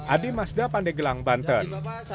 adi masda pandegelang banten